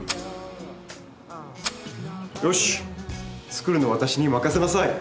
よし作るのは私に任せなさい。